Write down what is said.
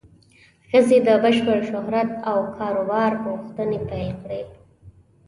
ښځې د بشپړ شهرت او کار و بار پوښتنې پیل کړې.